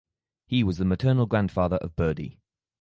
He was the maternal grandfather of Birdy.